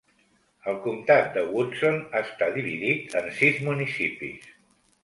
El comtat de Woodson està dividit en sis municipis.